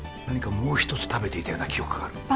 何かもう一つ食べていたような記憶がある。